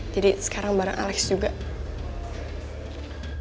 terus tiba tiba aja aku di cafe ketemu sama alex